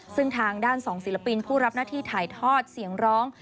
ซึ่งทางด้านสองศิลปินผู้รับหน้าที่ถ่ายทอดเสียงร้อง